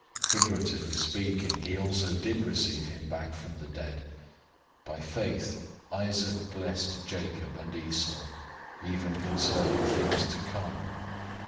Figuratively speaking, he also did receive him back from the dead. 011:020 By faith, Isaac blessed Jacob and Esau, even concerning things to come.